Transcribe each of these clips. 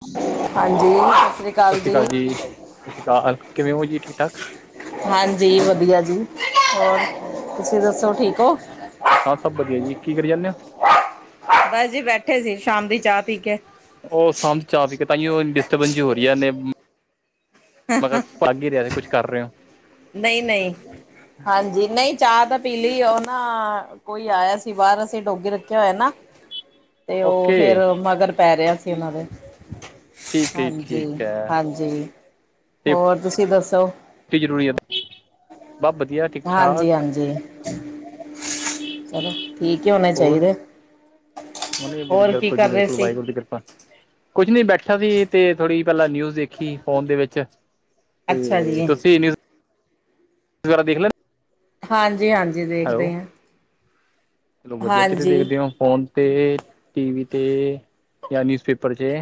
ਸਤਿ ਸ਼੍ਰੀ ਅਕਾਲ ਜੀ, ਸਤਿ ਸ਼੍ਰੀ ਅਕਾਲ, ਕਿਵੇਂ ਓ ਜੀ ਠੀਕ-ਠਾਕ? ਹਾਂਜੀ ਵਧੀਆ ਜੀ, ਹੋਰ ਤੁਸੀਂ ਦੱਸੋ ਠੀਕ ਓ? ਹਾਂ ਸਭ ਵਧੀਆ ਜੀ, ਕੀ ਕਰੀ ਜਾਂਨੇ ਓ? ਬਸ ਜੀ ਬੈਠੇ ਸੀ, ਸ਼ਾਮ ਦੀ ਚਾਹ ਪੀ ਕੇ। ਉਹ ਸਮਝ ਚਾਹ ਪੀ ਕੇ, ਤਾਂ ਈਓ ਡਿਸਟਰਬਨ ਜੀ ਹੋ ਰੀ ਐ ਨੇ, ਮ ਲੱਗ ਈ ਰਿਹਾ, ਕੁਛ ਕਰ ਰੇ ਓ। ਨਈ-ਨਈ, ਹਾਂਜੀ, ਨਈ ਚਾਹ ਤਾਂ ਪੀਲ਼ੀ ਉਹ ਨਾ ਕੋਈ ਆਇਆ ਸੀ ਬਾਹਰ, ਅਸੀਂ ਡੋਗੀ ਰੱਖਿਆ ਹੋਇਆ ਨਾ ਟੀ- 'ਤੇ ਉਹ ਫੇਰ, ਮਗਰ ਪੈ ਰਿਹਾ ਸੀ ਉਹਨਾਂ ਦੇ। ਠੀਕ ਹੈ ਜੀ, ਠੀਕ ਹੈ ਹਾਂਜੀ-ਹਾਂਜੀ, ਹੋਰ ਤੁਸੀਂ ਦੱਸੋ? ਟੀ ਜ਼ਰੂਰੀ ਐ 'ਤੇ ਹਾਂਜੀ-ਹਾਂਜੀ। ਚਲੋ, ਠੀਕ ਏ ਹੋਣੇ ਹੋਰ ਚਾਈਦੇ। ਬਿਲਕੁਲ ਜੀ ਰਹੇ ਬਿਲਕੁੱਲ, ਸੀ ਵਾਹਿਗੁਰੂ ਦੀ ਕਿਰਪਾ। ਕੁਛ ਨੀ ਬੈਠਾ ਸੀ, 'ਤੇ ਥੋੜੀ ਪਹਿਲਾਂ ਨਿਊਜ਼ ਦੇਖੀ ਫੋਨ ਦੇ ਵਿੱਚ। ਅੱਛਾ 'ਤੇ, ਜੀ ਤੁਸੀਂ ਨਿਊਜ ਜਰਾ ਦੇਖ ਲੈ ਹਾਂਜੀ-ਹਾਂਜੀ ਦੇਖਦੇ ਆ। [unintelligible] ਕਿਵੇਂ ਦੇਖਦੇ ਓ ਫੋਨ 'ਤੇ ਟੀਵੀ 'ਤੇ ਜਾਂ ਨਿਊਜ਼ ਪੇਪਰ ਤੇ?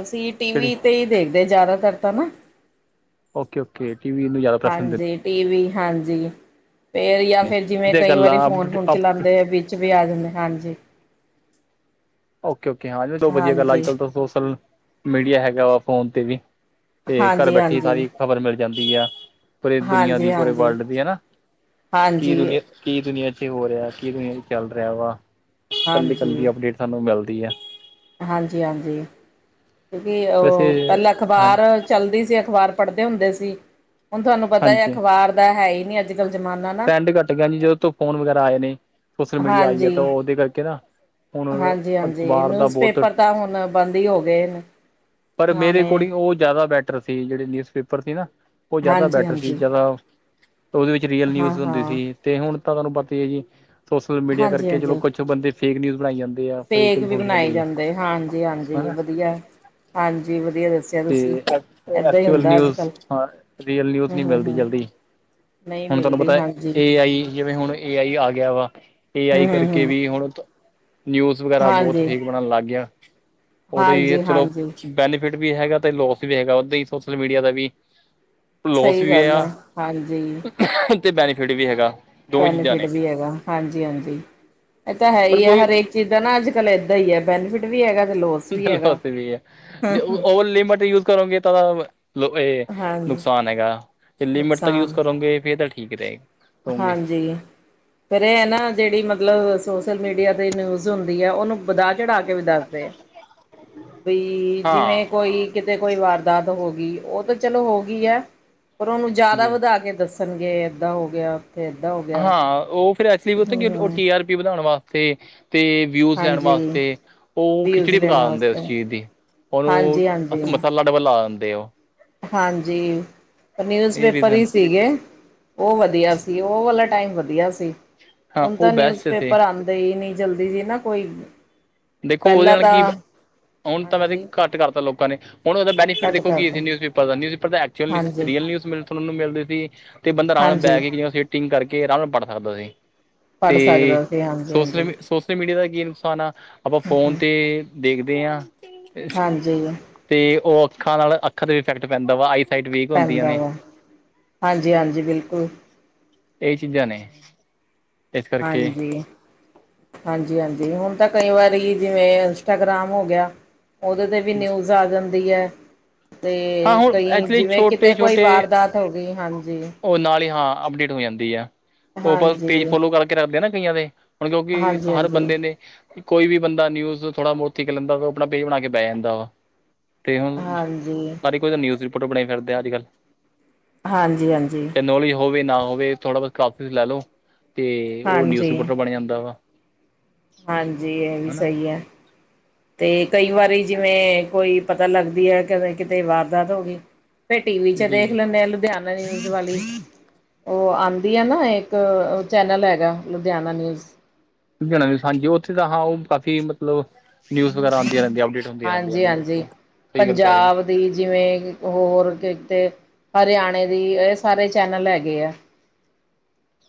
ਅਸੀਂ ਟੀਵੀ 'ਤੇ ਈ ਦੇਖਦੇ ਜ਼ਿਆਦਾਤਰ ਤਾਂ ਨਾ। ਓਕੇ-ਓਕੇ ਟੀਵੀ ਨੂੰ ਜ਼ਿਆਦਾ ਪਸੰਦ ਹੈ। ਹਾਂਜੀ ਟੀਵੀ ਹਾਂਜੀ ਫਿਰ ਜਾਂ ਫਿਰ ਜਿਵੇਂ ਤੇ ਕਈ ਗੱਲ ਵਾਰੀ ਆ ਫੋਨ-ਫੋਨ ਚਲਾਂਦੇ ਵੀ ਉੱਚ ਵੀ ਆ ਜਾਂਦਾ ਹਾਂਜੀ। ਓਕੇ-ਓਕੇ ਹਾਂ ਜੋ ਵਧੀਆ ਗੱਲ ਹਾਂਜੀ ਅੱਜ-ਕੱਲ ਤਾਂ ਸੋਸ਼ਲ ਮੀਡੀਆ ਹੈਗਾ ਵਾ ਫੋਨ 'ਤੇ ਵੀ। 'ਤੇ ਘਰ ਹਾਂਜੀ ਬੈਠੀ ਹਾਂਜੀ ਸਾਰੀ ਖ਼ਬਰ ਮਿਲ ਜਾਂਦੀ ਆ। ਪੂਰੇ ਦੁਨੀਆਂ ਹਾਂਜੀ ਹਾਂਜੀ ਦੀ ਪੂਰੇ ਵਰਲਡ ਦੀ ਹੈਨਾ, ਕੀ ਹਾਂਜੀ ਦੁਨੀਆ ਕੀ ਦੁਨੀਆਂ 'ਚ ਹੋ ਰਿਹਾ ਕੀ ਦੁਨੀਆਂ 'ਚ ਚੱਲ ਰਿਹਾ ਵਾ ਕੱਲੀ-ਕੱਲੀ ਅਪਡੇਟ ਸਾਨੂੰ ਮਿਲਦੀ ਆ। ਹਾਂਜੀ-ਹਾਂਜੀ ਕਿਉਂਕਿ ਵੈਸੇ ਉਹ ਪਹਿਲਾਂ ਹਾਂ ਅਖ਼ਬਾਰ ਚੱਲਦੀ ਸੀ ਅਖ਼ਬਾਰ ਪੜ੍ਹਦੇ ਹੁੰਦੇ ਸੀ ਹੁਣ ਤੁਹਾਨੂੰ ਪਤਾ ਐ ਹਾਂਜੀ ਅਖ਼ਬਾਰ ਦਾ ਹੈ ਈ ਨੀ ਅੱਜ-ਕੱਲ ਜਮਾਨਾ। ਟਰੈਂਡ ਘੱਟ ਗਿਆ ਜੀ ਜਦੋਂ ਤ ਫੋਨ ਵਗੈਰਾ ਆਏ ਨੇ ਸੋਸ਼ਲ ਮੀਡੀਆ ਆਈ ਐ ਤਾਂ ਉਹਦੇ ਕਰਕੇ ਨਾ। ਹੁਣ ਹਾਂਜੀ-ਹਾਂਜੀ ਅਖ਼ਬਾਰ ਦਾ ਨਿਊਜ਼ ਬਹੁਤ ਪੇਪਰ ਤਾਂ ਹੁਣ ਬੰਦ ਈ ਹੋ ਗਏ ਨੇ। ਪਰ ਮੇਰੇ ਪੁਰਾਣੇ ਅਕੋਡਿੰਗ ਉਹ ਜ਼ਿਆਦਾ ਬੈ ਸੀ ਜਿਹੜੇ ਨਿਊਜ਼ ਪੇਪਰ ਸੀ ਨਾ ਉਹ ਜ਼ਿਆਦਾ ਬੈਟਰ ਸੀ ਹਾਂਜੀ-ਹਾਂਜੀ, ਜਿਆਦਾ, ਉਹਦੇ ਵਿੱਚ ਰੀਅਲ ਨਿਊਜ਼ ਹੁੰਦੇ ਹਾਂ-ਹਾਂ, ਸੀ 'ਤੇ ਹੁਣ ਤਾਂ ਤੁਹਾਨੂੰ ਪਤਾ ਈ ਐ ਜੀ ਸੋਸ਼ਲ ਮੀਡੀਆ ਕਰਕੇ ਚਲੋ ਕੁਛ ਬੰਦੇ ਫੇਕ ਨਿਊਜ਼ ਬਣਾਈ ਜਾਂਦੇ ਆ ਫੇਕ ਵੀ ਇਨਫੋਰਮੇਸ਼ਨ ਬਣਾਈ ਦੇ ਜਾਂਦੇ ਹਾਂਜੀ-ਹਾਂਜੀ ਹਨਾ ਵਧੀਆ। ਹਾਂਜੀ ਵਧੀਆ ਦੱਸਿਆ 'ਤੇ ਤੁਸੀਂ, ਏਦਾਂ ਹੀ ਐਕਚੁਅਲ ਹੁੰਦਾ ਨਿਊਜ਼ ਅੱਜ-ਕੱਲ ਹਾਂ ਰੀਅਲ ਨਿਊਜ਼ ਨੀ ਮਿਲਦੀ ਹੂੰ-ਹੂੰ-ਹੂੰ। ਜਲਦੀ। ਨਹੀਂ ਹੁਣ ਤੁਹਾਨੂੰ ਮਿਲਦੀ ਪਤਾ ਐ ਹਾਂਜੀ, ਏ ਆਈ ਜਿਵੇਂ ਹੁਣ ਏ ਆਈ ਆ ਗਿਆ ਵਾ। ਏ ਆਈ ਕਰਕੇ ਹੂੰ-ਹੂੰ-ਹੂੰ, ਵੀ ਹੁਣ ਤ, ਨਿਊਜ਼ ਵਗੈਰਾ ਬਹੁਤ ਹਾਂਜੀ। ਫੇਕ ਬਣਨ ਲੱਗ ਗਿਆ। ਉਹਦਾ ਹੀ ਚਲੋ ਹਾਂਜੀ-ਹਾਂਜੀ, ਬੈਨੀਫਿਟ ਵੀ ਹੈਗਾ ਤੇ ਲੋਸ ਵੀ ਹੈਗਾ ਉਹਦਾ ਹੀ ਸੋਸ਼ਲ ਮੀਡੀਆ ਦਾ ਵੀ ਲੋਸ ਸਹੀ ਵੀ ਗੱਲ ਆ ਹਾਂਜੀ ਤੇ ਬੈਨੀਫਿਟ ਵੀ ਹੈਗਾ ਦੋਵੇਂ ਚੀਜ਼ਾਂ ਬੈਨੀਫਿਟ ਨੇ ਵੀ ਹੈਗਾ ਹਾਂਜੀ ਹਾਂਜੀ ਇਹ ਤਾਂ ਹੈ ਪਰ ਹੀ ਹੈ ਕੋਈ ਹਰੇਕ ਚੀਜ਼ਾਂ ਨਾ ਅੱਜ ਕੱਲ ਇਦਾਂ ਹੀ ਹੈ ਬੈਨੀਫਿਟ ਵੀ ਹੈਗਾ ਤੇ ਲੋ ਅੱਜ ਕੱਲ ਉੱਥੇ ਵੀ ਹੈ ਜੇ ਓਵ ਲਿਮਿਟ ਯੂਜ ਕਰੋਗੇ ਤਾਂ ਮਤਲਬ ਇਹ ਹਾਂਜੀ, ਨੁਕਸਾਨ ਹੈਗਾ ਤੇ ਲਿਮਿਟ ਤੱਕ ਯੂਜ ਨੁਕਸਾਨ, ਕਰੋਗੇ ਫਿਰ ਤਾਂ ਠੀਕ ਰਹੇਗਾ ਹਾਂਜੀ ਫਿਰ ਇਹ ਨਾ ਜਿਹੜੀ ਮਤਲਬ ਸੋਸ਼ਲ ਮੀਡੀਆ ਤੇ ਨਿਊਜ਼ ਹੁੰਦੀ ਆ ਉਹਨੂੰ ਵਧ ਚੜਾ ਕੇ ਵੀ ਦੱਸਦੇ ਆ ਬ ਜਿਵੇਂ ਹਾਂ ਕੋਈ ਕਿਤੇ ਕੋਈ ਵਾਰਦਾਤ ਹੋ ਗਈ ਉਹ ਤਾਂ ਚਲੋ ਹੋ ਗਈ ਹੈ ਪਰ ਉਹਨੂੰ ਜ਼ਿਆਦਾ ਜੀ ਵਧਾ ਕੇ ਦੱਸੋ ਪਰ ਗਏ ਇਦਾਂ ਹੋ ਗਿਆ ਫਿਰ ਇੱਧਾਂ ਹੋ ਗਿਆ। ਹਾਂ ਉਹ ਫਿਰ ਐਕਚੁਲੀ ਕਿ ਉਹ ਹਮ ਟੀ ਆਰ ਪੀ ਵਧਾਉਣ ਵਾਸਤੇ ਤੇ ਵਿਊਜ਼ ਲੈਣ ਹਾਂਜੀ ਵਾਸਤੇ ਉਹ ਵਿਊਜ਼ ਖਿਚੜੀ ਲੈਣ ਪਕਾ ਦਿੰਦੇ ਉਸ ਵਾਸਤੇ ਚੀਜ਼ ਦੀ ਹਾਂਜੀ ਹਾਂਜੀ। ਉਹਨੂੰ ਮਸਾਲਾ [unintelligible] ਦੇ ਉਹ ਹਾਂਜੀ ਨਿਊਜ਼ ਇਹ ਪੇਪਰ ਰੀਜ਼ਨ ਹੀ ਸੀਗੇ ਉਹ ਵਧੀਆ ਸੀ ਉਹ ਵਾਲਾ ਟਾਈਮ ਵਧੀਆ ਸੀ ਹਾਂ ਹੁਣ ਉਹ ਤਾਂ ਨਿਊਜ਼ ਬੈਸਟ ਸੀ ਪੇਪਰ ਆਉਂ ਨਹੀਂ ਜਲਦੀ ਜੀ ਨਾ ਕੋਈ ਦੇਖੋ, ਉਹਦੇ ਪਹਿਲਾਂ ਨਾਲ ਕੀ ਤਾਂ ਅਣ ਤਰ੍ਹਾਂ ਨਾ ਹਾਂਜੀ ਕੱਟ ਕਰਦਾ ਲੋਕਾਂ ਨੇ। ਹੁਣ ਬੇਨੀਫਿਟ ਘੱਟ ਦੇਖੋ ਕੀ ਕਰਦੋ ਨਿਊਜ਼ ਪੇਪਰ ਦਾ। ਨਿਊਜ਼ ਪੇਪਰ ਐਕਚੁਅਲੀ ਲਿਸਟ ਹਾਂਜੀ ਰੀਅਲ ਨਿਊਜ਼ ਮਿਲਦੇ ਸੀ। ਤੇ ਬੰਦਾ ਆਰਾਮ ਨਾਲ ਹਾਂਜੀ ਬਹਿ ਕੇ ਜ ਸੀਟਿੰਗ ਕਰਕੇ ਆਰਾਮ ਨਾਲ ਪੜ੍ਹ ਸਕਦਾ ਸੀ। ਪੜ੍ਹ ਤੇ ਸਕਦਾ ਸੀ ਹਾਂਜੀ ਹਾਂਜੀ ਸੋਸ਼ਲ ਸੋਸ਼ਲ ਮੀਡੀਆ ਦਾ ਕੀ ਨੁਕਸਾਨ ਆ ਆਪਾਂ ਫੋਨ ਤੇ ਦੇਖਦੇ ਆ ਹਾਂਜੀ ਤੇ ਓ ਅੱਖਾਂ ਨਾਲ ਅੱਖਾਂ ਤੇ ਇਫੈਕਟ ਪੈਂਦਾ ਓ ਆਈ ਸਾਈਟ ਵੀਕ ਹੁੰਦੀਆਂ ਪੈਂਦਾ ਨੇ ਆ ਹਾਂਜੀ-ਹਾਂਜੀ ਬਿਲਕੁਲ। ਏ ਚੀਜ਼ਾਂ ਨੇ ਇਸ ਕਰਕੇ ਹਾਂਜੀ। ਹਾਂਜੀ-ਹਾਂਜੀ ਹੁਣ ਤੇ ਕਈ ਵਾਰੀ ਜਿਵੇਂ ਇੰਸਟਾਗ੍ਰਾਮ ਹੋ ਗਯਾ ਓਦੇ ਤੇ ਵੀ ਨਿਊਜ਼ ਆ ਜਾਂਦੀ ਐ ਹਾਂ ਤੇ ਹੁਣ ਕਈ ਐਕਚੁਲੀ ਜਿਵੇਂ ਛੋਟੇ ਕਿਤੇ ਕੋਈ ਵਾਰਦਾਤ ਹੋਗੀ ਹਾਂਜੀ ਓ ਨਾਲ ਈ ਹਾਂ ਅਪਡੇਟ ਹੋ ਜਾਂਦੀ ਆ ਓ ਕਈ ਪੇਜ ਹਾਂਜੀ ਫੋਲੋ ਕਰਕੇ ਰੱਖਦੇ ਨਾ ਕਈਆਂ ਦੇ ਹੁਣ ਕਿਉਂਕਿ ਹਾਂਜੀ ਹਰ ਹਾਂਜੀ ਬੰਦੇ ਨੇ ਕੋਈ ਵੀ ਬੰਦਾ ਨਿਊਜ਼ ਥੋੜਾ ਬੋਹਤ ਸਿੱਖ ਲੈਂਦਾ ਓ ਆਪਣਾ ਪੇਜ ਬਣਾ ਕੇ ਬੈ ਜਾਂਦਾ ਵਾ। ਤੇ ਹੁਣ ਹਾਂਜੀ ਹਰ ਕੋਈ ਤਾਂ ਨਿਊਜ਼ ਰਿਪੋਰਟਰ ਬਣੀ ਫਿਰਦੇ ਅੱਜ-ਕਲ੍ਹ। ਹਾਂਜੀ-ਹਾਂਜੀ। ਨੌਲੇਜ ਹੋਵੇ ਨਾ ਹੋਵੇ ਥੋੜ੍ਹਾ ਬੋਤ ਕਲਾਸਿਸ ਲੈ ਲੋ ਤੇ ਓ ਨਿਊਜ਼ ਹਾਂਜੀ ਹਾਂਜੀ ਰਿਪੋਰਟਰ ਬਣ ਜਾਂਦਾ ਵਾ। ਹਾਂਜੀ ਐ ਵੀ ਹਨਾ ਸਹੀ ਹੈ ਤੇ ਕਈ ਵਾਰੀ ਜਿਵੇਂ ਕੋਈ ਪਤਾ ਲੱਗਦੀ ਐ ਕ ਕਿਤੇ ਵਾਰਦਾਤ ਹੋਗੀ ਫਿਰ ਟੀ ਵੀ ਚ ਜੀ ਦੇਖ ਲੈਂਣੇ ਆਾਂ ਲੁਧਿਆਣੇ ਨਿਊਜ਼ ਵਾਲੀ ਓ‌ ਆਂਦੀ ਐ ਨਾ ਏਕ ਇੱਕ ਚੈਨਲ ਹੈਗਾ ਲੁਧਿਆਣਾ ਨਿਊਜ਼ ਲੁਧਿਆਣਾ ਵਿੱਚ ਹਾਂਜੀ, ਉੱਥੇ ਦਾ ਹਾਂ ਓ ਕਾਫੀ ਮਤ- ਮਤਲਬ ਨਿਊਜ਼ ਵਗੈਰਾ ਆਦੀਆਂ ਰਣਦੀਆਂ, ਅਪਡੇਟ ਹੁੰਦੀਆਂ ਰਣਦੀਆਂ ਹਾਂਜੀ ਨੇ ਹਾਂਜੀ ਬਿਲਕੁਲ ਸਈ ਗੱਲ ਕਹਿ ਰੇ ਓ। ਪੰਜਾਬ ਦੀ ਜਿਵੇਂ- ਹੋਰ ਕਿਤੇ ਹਰਯਾਣੇ ਦੀ, ਏ ਸਾਰੇ ਚੈਨਲ ਹੈਗੇ ਐ।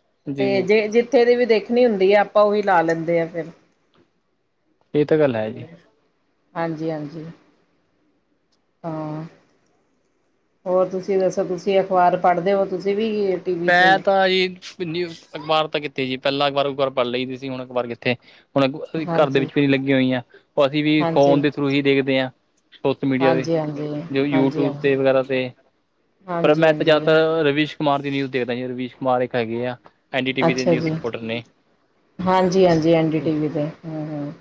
ਹੋ ਤੇ ਜੀ ਜੇ ਜਿੱਥੇ ਦੀ ਵੀ ਦੇਖਣੀ ਹੁੰਦੀ ਐ ਆਪਾਂ ਓਈ ਲਾ ਲੈਂਦੇ ਆ ਫੇਰ- ਏ ਤਾਂ ਗੱਲ ਹੈ ਜੀ। ਹਾਂਜੀ-ਹਾਂਜੀ। ਹਾਂ ਹੋਰ ਤੁਸੀਂ ਦੱਸੋ ਤੁਸੀਂ ਅਖਬਾਰ ਪਾੜ੍ਹਦੇ ਓ ਤੁਸੀਂ ਵੀ- ਟੀ ਵੀ 'ਚ ਮੈਂ ਹੀ ਤਾਂ ਜੀ ਕਿਨੀ ਅਖਬਾਰ ਤਾਂ ਕਿੱਥੇ ਜੀ ਪੈਲਾਂ ਅਖ਼ਬਾਰ ਉਖਬਾਰ ਪੜ੍ਹ ਲਈ ਦੀ ਸੀ ਹੁਣ ਅਖ਼ਬਾਰ ਕਿੱਥੇ ਹੁਣਸੀਂ ਘਰ ਦੇ ਹਾਂਜੀ ਵਿੱਚ ਵੀ ਨੀ ਲੱਗੀਆਂ ਹੋਈਆਂ ਓ ਅਸੀਂ ਵੀ ਹਾਂਜੀ ਫੋਨ ਦੇ ਥ੍ਰਉ ਈ ਦੇਖਦੇ ਹਾਂ ਸੋਸ਼ਲ ਮੀਡੀਆ ਤੇ ਹਾਂਜੀ-ਹਾਂਜੀ, ਜੋ ਯੂਟਿਊਬ ਹਾਂਜੀ-ਹਾਂਜੀ, ਤੇ ਵਗੈਰਾ ਤੇ ਪਰ ਮੈਂ ਤਾਂ ਹਾਂਜੀ-ਹਾਂਜੀ, ਜ਼ਿਆਦਾਤਰ ਰਵੀਸ਼ ਕੁਮਾਰ ਦੀ ਨਿਊਜ਼ ਦੇਖਦਾ ਜੀ ਰਵੀਸ਼ ਕੁਮਾਰ ਇੱਕ ਹੈਗੇ ਆ ਐਨ ਡੀ ਟੀ ਵੀ ਦੇ ਅੱਛਾ ਨਿਊਜ਼ ਜੀ। ਰਿਪੋਰਟਰ ਨੇ ਹਾਂਜੀ-ਹਾਂਜੀ ਐਨ ਡੀ ਟੀ ਵੀ ਤੇ ਹੂੰ-ਹੂੰ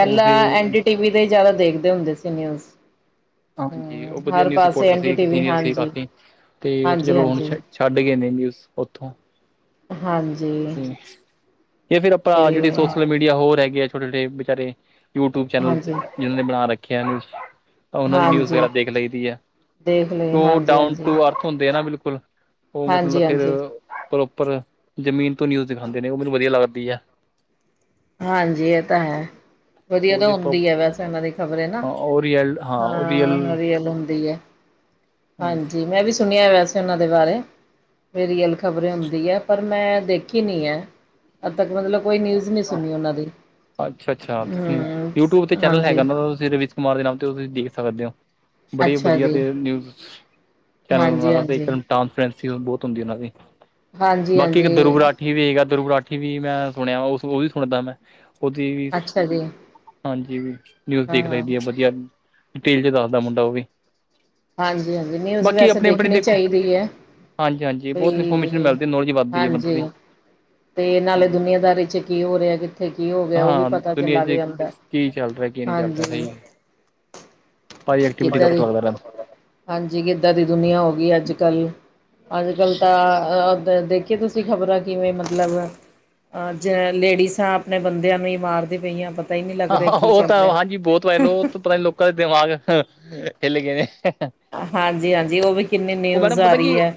ਉਹ ਸੀ ਐਨ ਡੀ ਟੀ ਵੀ ਤੇ ਜਾਦਾ ਦੇਖਦੇ ਹੁੰਦੇ ਸੀ ਨਿਊਜ਼ ਹਾਂਜੀ ਹੂੰ, ਓ ਵਧੀਆ ਹਰ ਨਿਊਜ਼ ਪਾਸੇ ਰਿਪੋਰਟਰ ਐਨ ਡੀ ਸੀ ਇੱਕ ਟੀ ਵੀ ਸੀਨੀਅਰ ਸੀ ਹਾਂਜੀ, ਕਾਫੀ ਤੇ ਓਥ ਚਲੋ ਹੁਣ ਹਾਂਜੀ-ਹਾਂਜੀ, ਹਾਂਜੀ। ਛੱਡ ਗੇ ਨੇ ਨਿਊਜ਼ ਓਥੋਂ ਹਾਂਜੀ। ਹੂੰ ਤੇ ਫੇਰ ਅਪਾਂ ਜੇੜੀ ਤੇ ਸੋਸ਼ਲ ਮੀ ਯਾ ਓ ਹੈਗੇ ਆ ਛੋਟੇ-ਛੋਟੇ ਬਿਚਾਰੇ ਯੂਟਿਊਬ ਚੈਨਲ ਤੇ ਹਾਂਜੀ, ਜਿਨਾਂ ਨੇ ਬਣਾ ਰੱਖੇ ਆ ਓਨਾਂ ਦੀ ਨਿਊਜ਼ ਵਗੈਰਾ ਹਾਂਜੀ। ਦੇਖ ਲਈ ਦੀ ਐ। ਦੇਖ ਲਈ ਓ ਡਾਊਨ ਹਾਂਜੀ-ਹਾਂਜੀ, ਟੁ ਅ ਹੁੰਦੇ ਆ ਨਾ ਬਿਲਕੁਲ ਓ ਮਤਲਬ ਫਿਰ ਹਾਂਜੀ-ਹਾਂਜੀ, ਹਾਂਜੀ ਹਾਂਜੀ ਪ੍ਰੋਪਰ ਜ਼ਮੀ ਨਿਊਜ਼ ਦਿਖਾਂਦੇ ਨੇ ਓ ਮੈਨੂੰ ਵਦੀਆ ਲੱਗਦੀ ਐ। ਹਾਂਜੀ ਐ ਤੇ ਹੈ ਵਧੀਆ ਉਹ ਤਾਂ ਜੇ ਹੁੰਦੀ ਐ ਵੈਸੇ ਓਨਾਂ ਦੀ ਖ਼ਬਰੇ ਨਾ ਹਾਂ ਉਹ ਰੀਅਲ ਉਹ ਰੀਅਲ ਹਾਂ ਰੀਅਲ ਹੁੰਦੀ ਐ। ਹਾਂਜੀ ਮੈਂ ਵੀ ਸੁਣਿਆ ਵੈਸੇ ਓਨਾਂ ਦੇ ਬਾਰੇ ਬੀ ਰਿਅਲ ਖ਼ਬਰ ਹੁੰਦੀ ਹੈ ਪਰ ਮੈਂ ਦੇਖੀ ਨਹੀਂ ਹੈ, ਅੱਦ ਤੱਕ ਮਤਲਬ ਕੋਈ ਨਿਊਜ਼ ਨਹੀਂ ਸੁਣੀ ਉਹਨਾਂ ਦੀ। ਅੱਛਾ ਅੱਛਾ, ਹੂੰ ਯੂਟਿਊਬ ਤੇ ਚੈਨਲ ਹਾਂਜੀ ਹੈਗਾ ਦਾ ਤੁਸੀਂ ਰਵੀਸ਼ ਕੁਮਾਰ ਦੇ ਨਾਮ ਤੇ ਤੁਸੀਂ ਦੇਖ ਸਕਦੇ ਹੋ। ਬੜੀ ਅੱਛਾ ਵਧੀਆ ਜੀ ਤੇ ਨਿਊਜ਼ ਹਾਂਜੀ ਚੈਨਲ [unintelligible] ਹਾਂਜੀ ਇੱਕ [unintelligible] ਬਹੁਤ ਹੁੰਦੀ ਉਹਨਾਂ ਦੀ, ਹਾਂਜੀ ਬਾਕੀ ਇੱਕ ਦਰ ਹਾਂਜੀ ਠੀ ਵੀਗਾ ਦੁਰਗਰਾਠੀ ਵੀ ਮੈਂ ਸੁਣਿਆ, ਉਹ ਵੀ ਸੁਣਦਾ ਮੈਂ ਉਹਦੀ ਵੀ ਅੱਛਾ ਜੀ ਹਾਂਜੀ ਵੀ, ਨਿਊਜ਼ ਹਾਂ ਦੇਖ ਹਾਂ ਲੈਂਦੀ ਆ ਵਧੀਆ ਡਿਟੇਲ 'ਚ ਦੱਸਦਾ ਮੁੰਡਾ ਉਹ ਵੀ ਹਾਂਜੀ ਹਾਂਜੀ, ਨਿਊਜ਼ ਬਾਕੀ ਵੈਸੇ ਆਪਣੇ ਆਪਣੇ ਦੇਖਣੀ ਦੇਖੋ ਚਾਹੀਦੀ ਹੈ। ਹਾਂਜੀ ਹਾਂਜੀ, ਬਹੁਤ ਇਨਫੋਰਮੇਸ਼ਨ ਬਈ ਮਿਲਦੀ ਹੈ ਨੌਲੇਜ ਵਧਦੀ ਹੈ ਬੰਦੇ ਦੀ। ਹਾਂਜੀ ਤੇ ਨਾਲੇ, ਦੁਨੀਆਂਦਾਰੀ ਵਿੱਚ ਕੀ ਹੋ ਰਿਹਾ ਇੱਥੇ ਕੀ ਹੋ ਗਿਆ, ਉਹ ਵੀ ਹਾਂ ਪਤਾ 'ਚ ਦੁਨੀਆਂ ਲੱਗ ਜਾਂਦਾ, ਕੀ ਚੱਲ ਰਿਹਾ ਕੀ ਨਹੀਂ ਚੱਲ ਰਿਹਾ ਹਾਂਜੀ। ਸਹੀ ਹੈ ਭਾਰੀ ਐਕਟੀਵਿਟੀ ਦਾ ਕਿੱਦਾਂ ਦੀ, ਪਤਾ ਲੱਗਦਾ ਰਹਿੰਦਾ ਹਾਂਜੀ ਕਿੱਦਾਂ ਦੀ ਦੁਨੀਆਂ ਹੋ ਗਈ ਅੱਜ ਕੱਲ ਅੱਜ ਕੱਲ੍ਹ ਤਾਂ ਓਦਾ, ਦੇਖੀ ਤੁਸੀਂ ਖ਼ਬਰਾਂ ਕਿਵੇਂ ਮਤਲਬ ਅਜ ਲੇਡੀਸਾਂ, ਆਪਣੇ ਬੰਦਿਆਂ ਨੂੰ ਹੀ ਮਾਰਦੇ ਪਈਆਂ ਹੀ ਨਹੀਂ ਲੱਗ ਹ ਰਿਹਾ ਕੀ ਉਹ ਚੱਲ ਤਾਂ ਰਿਹਾ ਹਾਂਜੀ ਬਹੁਤ ਵ ਲੋਓ, ਉਹ ਤੋਂ ਪਤਾ ਲੋਕਾਂ ਦੇ ਦਿਮਾਗ ਹਿਲ ਗਏ ਨੇ। ਹਾਂਜੀ ਹਾਂਜੀ, ਉਹ ਵੀ ਕਿੰਨੀ ਨਿਊਜ਼ ਆ ਰਹੀ ਹੈ।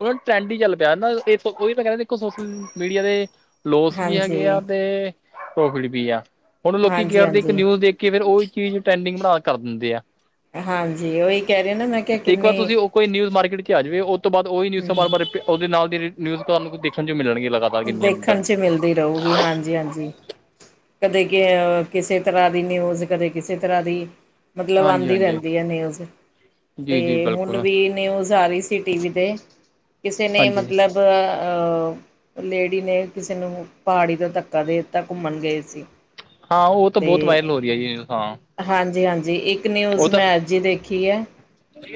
ਉਹਨਾਂ ਨੂੰ ਟਰੈਂਡ ਹੀ ਚੱਲ ਪਿਆ ਨਾ, ੳਈ ਤਾਂ ਕਹਿੰਦੇ ਦੇਖੋ ਸੋਸ਼ਲ ਮੀਡੀਆ ਦੇ ਲੋਸ ਵੀ ਹੈਗੇ ਹਾਂਜੀ ਆ, ਤੇ ਪ੍ਰੋਫਿਟ ਵੀ ਆ, ਹੁਣ ਲੋਕੀ ਕਿ ਹਾਂਜੀ ਕਰਦੇ ਇੱਕ ਹਾਂਜੀ ਨਿਊਜ਼ ਕੇ ਫਿਰ ਉਹੀ ਚੀਜ਼, ਟੈਂਡਿੰਗ ਬਣਾ ਕਰ ਦਿੰਦੇ ਆ। ਹਾਂਜੀ, ਉਹੀ ਕਹਿ ਰਹੇ ਨਾ ਮੈਂ ਕਿਹਾ ਇੱਕ ਵਾਰ ਕਿੰਨੀ ਤੁਸੀਂ ਉਹ ਕੋਈ ਨਿਊਜ਼ ਮਾਰਕੀਟ 'ਚ ਆ ਜਾਵੇ, ਉਹ ਤੋਂ ਬਾਅਦ ਉਹੀ ਨਿਊਜ਼ਾਂ ਹਮ ਬਾਦ ਉਹਦੇ ਨਾਲ ਦੀ ਨਿਊਜ਼, ਤੁਹਾਨੂੰ ਦੇਖਣ ਨੂੰ ਮਿਲਣ ਗਿਆ। ਦੇਖਣ 'ਚ ਮਿਲਦੀ ਰਹੂਗੀ, ਹਾਂਜੀ ਹਾਂਜੀ। ਕਦੇ ਕਿਸੇ ਤਰ੍ਹਾਂ ਦੀ ਨਿਊਜ਼, ਕਦੇ ਕਿਸੇ ਤਰ੍ਹਾਂ ਦੀ ਮਤਲਬ ਹਾਂਜੀ ਆਉਂਦੀ ਹਾਂਜੀ ਰਹਿੰਦੀ ਹੈ ਨਿਊਜ਼, ਜੀ ਜੀ ਤੇ ਹੁਣ ਬਿਲਕੁਲ ਵੀ ਨਿਊਜ਼ ਆ ਰਹੀ ਸੀ ਟੀ ਵੀ 'ਤੇ, ਕਿਸੇ ਨੇ ਹਾਂਜੀ ਮਤਲਬ ਲੇਡੀ ਨੇ ਕਿਸੇ ਨੂੰ ਪਹਾੜੀ ਤੋਂ ਧੱਕਾ ਦੇ ਦਿੱਤਾ, ਘੁੰਮਣ ਗਏ ਸੀ। ਹਾਂ ਉਹ ਤਾਂ ਤੇ ਬਹੁਤ ਵਾਇਰਲ ਹੋ ਰਹੀ ਹੈ ਜੀ, ਹਾਂ ਹਾਂਜੀ ਹਾਂਜੀ, ਇੱਕ ਨਿਊਜ਼ ਉਹ ਤਾਂ ਮੈਂ ਅਜ ਹੀ ਦੇਖੀ ਹੈ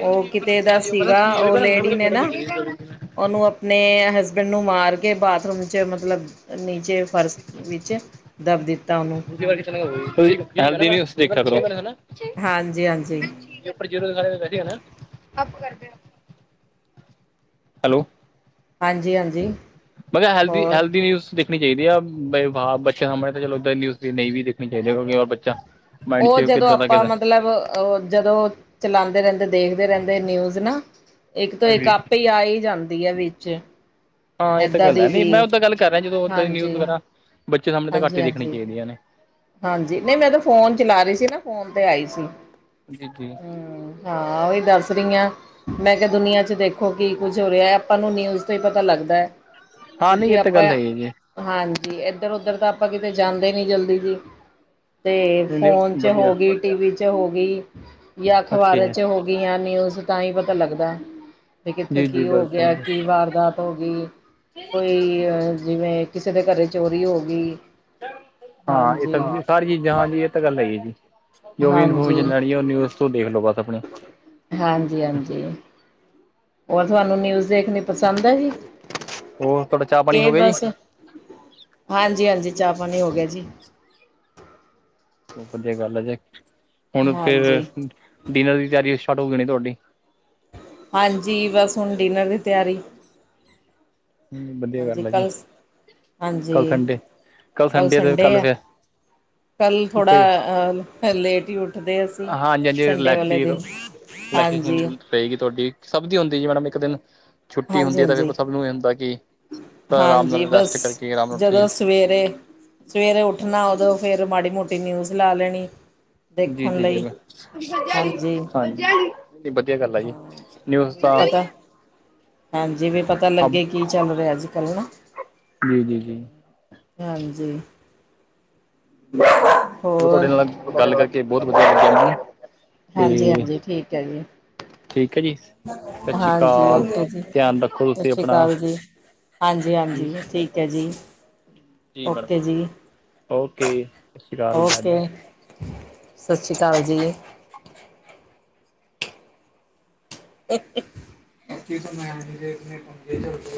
ਉਹ ਕਿਤੇ ਦਾ ਸੀਗਾ, ਉਹ ਲੇਡੀ ਨੇ ਨਾ ਉਹਨੂੰ ਆਪਣੇ ਹਸਬੈਂਡ ਨੂੰ ਮਾਰ ਕੇ, ਬਾਥਰੂਮ 'ਚ ਮਤਲਬ ਨੀਚੇ ਫਰਸ਼ ਵਿੱਚ, ਦੱਬ ਦਿੱਤਾ ਉਹਨੂੰ [unintelligible] ਹਾਂਜੀ, ਹਾਂਜੀ। ੈ ਹੈਲੋ। ਹਾਂਜੀ, ਹਾਂਜੀ- ਮੈਂ ਕਿਹਾ ਹੈਲਦੀੀ, ਹੋਰ ਹੈਲਦੀ ਨਿਊਜ਼ ਦੇਖ ਦੇਖਣੀ ਚਾਹੀਦੀ ਆ, ਬ ਬੱਚੇ ਸਾਹਮਣੇ ਤਾਂ ਚਲ ਉਧਰ ਦੀ ਨਹੀਂ ਵੀ ਦੇਖਣੀ ਚਾਹੀਦੀ, ਕਿਉਂਕਿਰ ਬੱਚਾ ਮਾਇੰਡ ਉਹ 'ਚ ਜਦੋਂ ਕਿੱਦਾਂ ਦਾ ਆਪਾਂ ਕਿੱਦਾਂ ਮਤਲਬ ਜਦੋਂ ਚਲਾਦੇ ਰਹਿੰਦੇ, ਦੇਖਦੇ ਰਹਿੰਦੇ ਨਿਊਜ ਨਾ। ਇੱਕ ਤਾਂ ਇੱਕ, ਆਪੇ ਆ ਹੀ ਜਾਂਦੀ ਹੈ ਵਿੱਚ। ਹਾਂ ਇਹ ਤਾਂ ਏਦਾਂ ਗੱਲ ਦੀ ਹੈ, ਨੀ ਵੀ ਮੈਂਓਦਾਂ ਗੱਲ ਕਰ ਰਿਹਾ ਜਦੋਂ ਦੀ ਹਾਂਜੀ। ਨਿਊਜ਼ ਵਗੈਰਾ ਬੱਚੇ ਸਾਹਮਣੇ ਤਾਂ, ਘੱਟ ਹਾਂਜੀ ਹੀ ਦੇਖਣੀ ਹਾਂਜੀ ਚਾਹੀਦੀਆਂ ਨੇ। ਹਾਂਜੀ, ਨਹੀਂ ਮੈਂ ਤਾਂ ਫੋਨ ਚਲਾ ਰਹੀ ਸੀ ਨਾ, ਫੋਨ ਤੇ ਆਈ ਸੀ। ਜੀ, ਜੀ। ਹਮ ਹਾਂ, ਉਹਹੀ ਦੱਸ ਰਹੀਆਂ ਮੈਂ ਕਿਹਾ ਦੁਨੀਆਂ 'ਚ ਦੇਖੋ ਕੀ ਕੁੱਝ ਹੋ ਰਿਹਾ, ਆਪਾਂ ਨੂੰ ਨਿਊ ਤੋਂ ਹੀ ਪਤਾ ਲੱਗਦਾ ਹੈ। ਹਾਂ ਨਹੀਂ ਕਿਉਂਕਿ ਇਹ ਤਾਂ ਆਪਾਂ ਗੱਲ ਹੈ ਜੀ ਹਾਂਜੀ ਇੱਧਰ ਉਧਰ ਤਾਂ ਆਪਾਂ ਕਿਤੇ ਜਾਂਦੇ ਨੀ ਜਲਦੀ ਜੀ। ਤੇ ਨਹੀਂ ਫੋਨ ਨਹੀਂ ਚ ਵਧੀਆ ਹੋ ਗੀ, ਟੀ-ਵੀ ਚ ਹੋ ਗੀ। ਜਾਂ ਓਕੇ ਅਖ਼ਬਾਰਾਂ ਚ ਹੋ ਗੀ ਨਿਊਜ਼ ਤਾਂ ਹੀ ਪਤਾ ਲੱਗਦਾ। ਕੀ ਕਿੱਥੇ ਜੀ ਜੀ ਕੀ ਹੋ ਗਿਆ ਬਿਲਕੁਲ ਕੀ ਵਾਰਦਾ ਹੋਗੀ, ਕੋਈ ਅ ਜਿਵੇਂ ਕਿਸੇ ਦੇ ਘਰੇ ਚੋਰੀ ਹੋ ਗੀ। ਹਾਂ, ਇਹ ਸ ਸਾਰੀ ਚੀਜ਼ਾਂ ਹਾਂਜੀ, ਇਹ ਤਾਂ ਗੱਲ ਹੈਗੀ ਐ ਜੀ। ਜੋ ਵੀ ਹਾਂਜੀ ਇਨਫੋਰਮੇਸ਼ਨ ਲੈਣੀ ਹੈ ਉਹ ਨਿਊਜ਼ ਤੋਂ ਦੇਖ ਲੋ ਬਸ ਆਪਣੀ। ਹਾਂਜੀ-ਹਾਂਜੀ। ਔਰ ਤੁਹਾਨੂੰ ਨਿਊਜ ਦੇਖਣੀ ਪਸੰਦ ਆ ਜੀ, ਹੋਰ ਤੁਹਾਡਾ ਚਾਹ ਪਾਣੀ ਕਿ ਹੋ ਗਿਆ ਜੀ ਬਸ ਹਾਂਜੀ-ਹਾਂਜੀ, ਚਾਹ ਪਾਣੀ ਹੋ ਗਿਆ ਜੀ। ਬੋਤ ਵਧੀਆ ਗੱਲ ਐ ਜੇ, ਹੁਣ ਫੇਰ ਹਾਂਜੀ ਡਿਨਰ ਦੀ ਤਿਆਰੀ ਸ਼ਟਾਰਟ ਹੋ ਗਈ ਹੋਣੀ ਤੁਹਾਡੀ। ਹਾਂਜੀ, ਬਸ ਹੁਣ ਡਿਨਰ ਦੀ ਤਿਆਰੀ। ਵਧੀਆ ਹਾਂਜੀ, ਗੱਲ ਹੈ ਜੀ ਕੱਲ ਕੱਲ ਹਾਂਜੀ, ਸੰਡੇ ਕੱਲ ਸੰਡੇ ਹੈ। ਕੱਲ ਥੋੜਾ ਤੇ ਅ ਲੇਟ ਹੀ ਉ ਉੱਠਦੇ ਅਸੀਂ ਹਾਂਜੀ ਹਾਂਜੀ ਸੰਡੇ ਵਾਲੇ ਦਿਨ, ਹਾਂਜੀ। ਪਏਗੀ ਤੁਹਾਡੀ, ਸਭ ਦੀ ਹੁੰਦੀ ਜੀ ਮੈਡਮ ਇੱਕ ਦਿਨ। ਛੁੱਟੀ ਹਾਂਜੀ ਹੁੰਦੀ ਐ, ਤਾਂ ਫੇਰ ਹਾਂਜੀ ਸਭ ਨੂੰ ਇਹ ਹੁੰਦਾ ਕਿ ਆਰਾਮ ਹਾਂਜੀ ਨਾਲ ਰੈਸਟ ਬਸ ਕਰਕੇ ਆਰਾਮ ਨਾਲ ਉੱਠੀਏ। ਜਦੋਂ ਸਵੇਰੇ ਸਵੇਰੇ ਉੱਠਣਾ ਉਦੋਂ ਫੇਰ ਮਾੜੀ ਮੋਟੀ ਨਿਊਜ਼ ਲਾ ਲੈਣੀ। ਜੀ, ਦੇਖਣ ਜੀ, ਲਈ ਜੀ, ਹਾਂਜੀ ਹਾਂਜੀ, ਵਧੀਆ ਗੱਲ ਆ ਜੀ। ਨਿਊਜ਼ ਵੀ ਤਾਂ ਪਤਾ, ਹਾਂਜੀ ਵੀ ਪਤਾ ਲੱਗੇ ਕੀ ਚੱਲ ਰਿਹਾ ਅੱਜ ਕੱਲ੍ਹ ਨਾ। ਜੀ, ਜੀ, ਜੀ। ਹਾਂਜੀ। ਚਲੋ ਹੋਰ, ਤੁਹਾਡੇ ਨਾਲ ਗੱਲ ਕਰਕੇ ਬਹੁਤ ਵਧੀਆ ਲੱਗਿਆ ਮੈਨੂੰ ਤੇ ਹਾਂਜੀ-ਹਾਂਜੀ, ਠੀਕ ਐ ਜੀ। ਠੀਕ ਹੈ ਜੀ ਸਤਿ ਸ਼੍ਰੀ ਹਾਂਜੀ, ਅਕਾਲ ਓਕੇ ਜੀ ਧਿਆਨ ਰੱਖੋ ਸਤਿ ਤੁਸੀਂ ਸ੍ਰੀ ਆਪਣਾ ਅਕਾਲ ਜੀ। ਹਾਂਜੀ-ਹਾਂਜੀ, ਠੀਕ ਐ ਜੀ। ਜੀ ਮੈਡਮ ਓਕੇ ਜੀ, ਓਕੇ ਸਤਿ ਸ਼੍ਰੀ ਅਕਾਲ ਬਾਏ ਬਾਏ ਓਕੇ। ਸਤਿ ਸ਼੍ਰੀ ਅਕਾਲ ਜੀ। [inaudible]